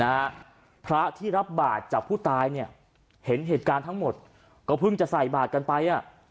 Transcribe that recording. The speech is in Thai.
นะฮะพระที่รับบาทจากผู้ตายเนี่ยเห็นเหตุการณ์ทั้งหมดก็เพิ่งจะใส่บาทกันไปอ่ะ